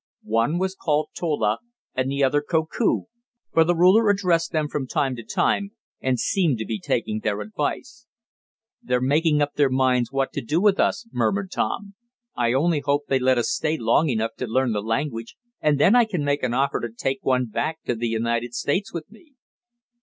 One was called Tola and the other Koku, for the ruler addressed them from time to time, and seemed to be asking their advice. "They're making up their minds what to do with us," murmured Tom. "I only hope they let us stay long enough to learn the language, and then I can make an offer to take one back to the United States with me."